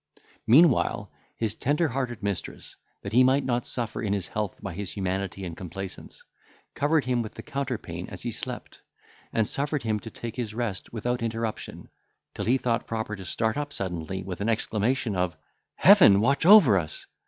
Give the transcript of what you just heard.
Meanwhile, his tender hearted mistress, that he might not suffer in his health by his humanity and complaisance, covered him with the counterpane as he slept, and suffered him to take his rest without interruption, till he thought proper to start up suddenly with an exclamation of, "Heaven watch over us!"